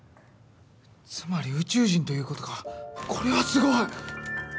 つまり宇宙人ということかこれはすごい！